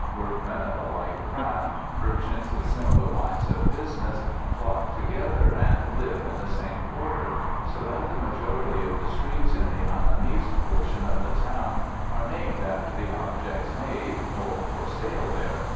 Workmen of a like craft, merchants in similar lines of business, flock together and live in the same quarter, so that the majority of the streets in the Annamese portion of the town are named after the objects made or for sale there.